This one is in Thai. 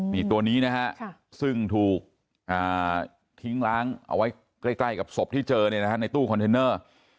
มีตัวนี้นะครับซึ่งถูกทิ้งล้างเอาไว้ใกล้กับศพที่เจอในตู้คอนเทนเนอร์